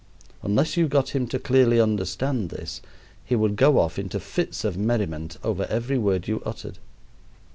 Unless you got him to clearly understand this, he would go off into fits of merriment over every word you uttered.